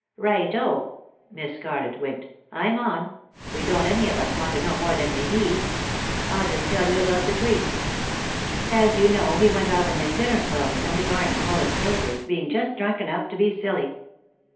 " Right o." Miss Scarlett winked. " I'm on ; we don't any of us want to know more than we need. I'll just tell you about the tree. As you know, he went off in his dinner clothes, and his arms full of papers, being just drunk enough to be silly.